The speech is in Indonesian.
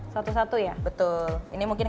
satu satu ya betul ini mungkin